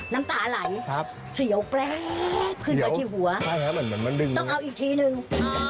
น้ำตาไหลเสียวแปลกขึ้นไปที่หัวต้องเอาอีกทีหนึ่งใช่ครับเหมือนมันดึงนึง